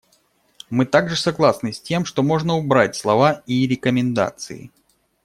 Мы также согласны с тем, что можно убрать слова «и рекомендации».